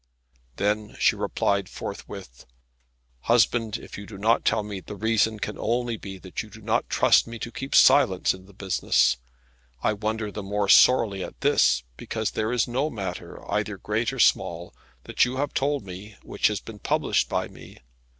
Then she replied forthwith, "Husband, if you do not tell me, the reason can only be that you do not trust me to keep silence in the business. I wonder the more sorely at this, because there is no matter, either great or small, that you have told me, which has been published by me.